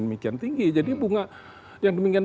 demikian tinggi jadi bunga yang demikian